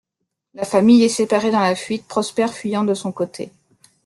La famille est séparée dans la fuite, Prosper fuyant de son côté.